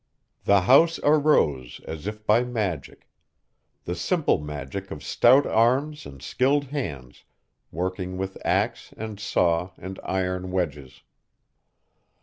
The house arose as if by magic, the simple magic of stout arms and skilled hands working with axe and saw and iron wedges.